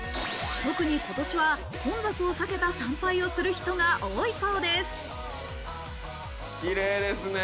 特に今年は混雑を避けた参拝をする人が多いそうです。